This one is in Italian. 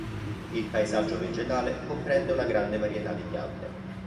Il paesaggio vegetale comprende una grande varietà di piante.